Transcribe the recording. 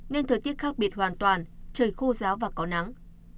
nên thời tiết khác biệt hoàn toàn trời khô ráo và có nắng